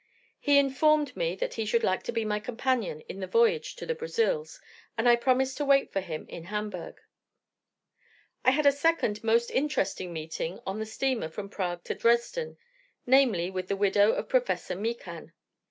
He informed me that he should like to be my companion in the voyage to the Brazils, and I promised to wait for him in Hamburgh. I had a second most interesting meeting on the steamer from Prague to Dresden, namely, with the widow of Professor Mikan.